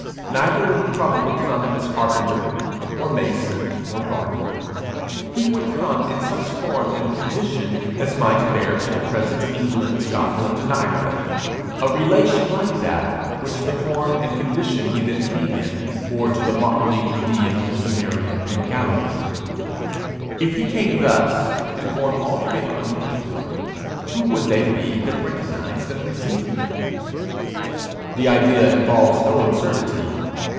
Neither would he probably come as carpenter, or mason, or gardener. He would come in such form and condition as might bear to the present England, Scotland, and Ireland, a relation like that which the form and condition he then came in, bore to the motley Judea, Samaria, and Galilee. If he came thus, in form altogether unlooked for, who would they be that recognized and received him? The idea involves no absurdity.